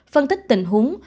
phân tích tình huống